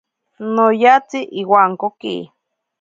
Nojatsi iwankoki.